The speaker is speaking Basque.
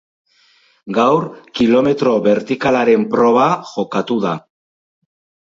Gaur kilometro bertikalaren proba jokatu da.